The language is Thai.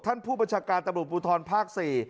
ท่านผู้ประชากาชฯตำรวจปุทรภาค๔